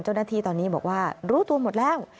เจ้าหน้าที่ตอนนี้บอกว่ารู้ตัวหมดแล้ว